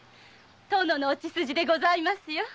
殿のお血筋でございますよ。